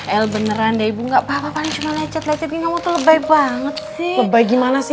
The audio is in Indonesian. el beneran deh ibu nggak papa cuma lecet lecet ini kamu tuh lebay banget sih lebay gimana sih